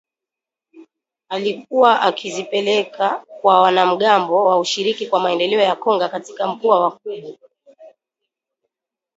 Alikuwa akizipeleka kwa wanamgambo wa Ushirika kwa Maendeleo ya Kongo katika mkoa wa Kobu.